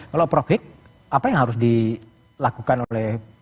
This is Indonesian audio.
kalau projek apa yang harus dilakukan oleh